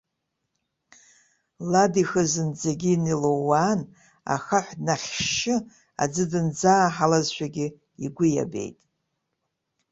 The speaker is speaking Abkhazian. Лад ихы зынӡагьы инеилууаан, ахаҳә днахьшьшьы аӡы дынӡааҳалазшәагьы игәы иабеит.